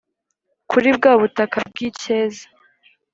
Kuri bwa butaka bw'icyeza